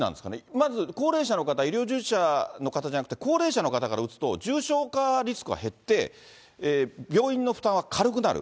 まず高齢者の方、医療従事者の方じゃなくて高齢者の方から打つと、重症化リスクは減って、病院の負担は軽くなる。